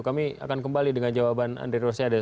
kami akan kembali dengan jawaban andri rosiade